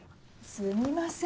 すみません